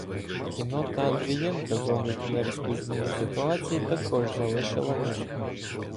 Кіннота Андрієнка, з огляду на різку зміну ситуації, також залишила місто.